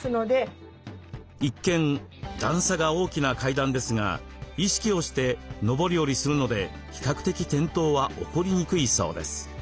一見段差が大きな階段ですが意識をして上り下りするので比較的転倒は起こりにくいそうです。